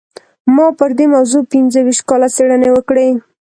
ما پر دې موضوع پينځه ويشت کاله څېړنې وکړې.